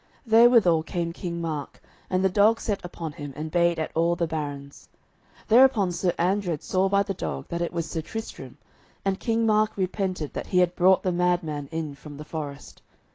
Therewithal came King Mark, and the dog set upon him and bayed at all the barons. Thereupon Sir Andred saw by the dog that it was Sir Tristram, and King Mark repented that he had brought the mad man in from the forest.